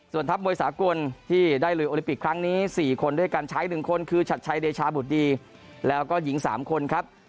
ส่วนทัพมวยสากลที่ได้ลุยโอลิปิกครั้งนี้๔คนด้วยการใช้๑คนคือชัดชัยเดชาบุตรดีแล้วก็หญิง๓คนครับ